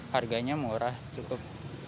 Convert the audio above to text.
harganya murah cukup